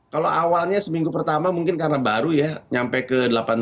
kalau awalnya seminggu pertama mungkin karena baru ya nyampe ke delapan belas